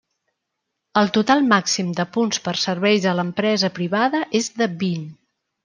El total màxim de punts per serveis a l'empresa privada és de vint.